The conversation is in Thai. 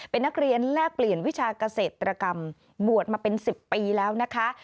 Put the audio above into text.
เป็นนักเรียนแลกเปลี่ยนวิชาเกษตรกรรมบวชมาเป็น๑๐ปีแล้วนะคะ